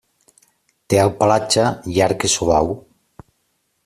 Té el pelatge llarg i suau.